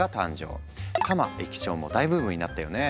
「たま駅長」も大ブームになったよね。